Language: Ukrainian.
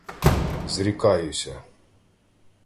— Зрікаюся.